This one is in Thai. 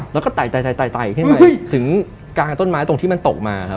แล้วก็ไต่ขึ้นมาถึงกลางต้นไม้ตรงที่มันตกมา